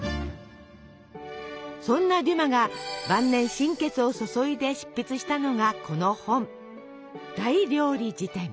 そんなデュマが晩年心血を注いで執筆したのがこの本。